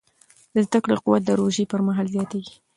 د زده کړې قوت د روژې پر مهال زیاتېږي.